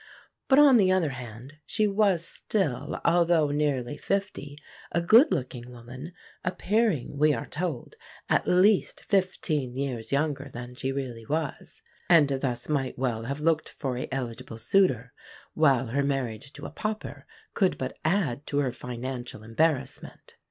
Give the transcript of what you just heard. But on the other hand she was still, although nearly fifty, a good looking woman, "appearing," we are told, "at least fifteen years younger than she really was"; and thus might well have looked for a eligible suitor; while her marriage to a pauper could but add to her financial embarrassment.